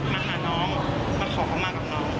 มาหาน้องมาขอเข้ามากับน้อง